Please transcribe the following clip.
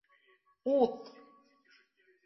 Ут!